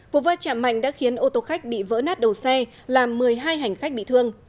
vụ va chạm mạnh đã khiến ô tô khách bị vỡ nát đầu xe làm một mươi hai hành khách bị thương